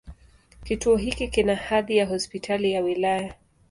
Kituo hiki kina hadhi ya Hospitali ya wilaya.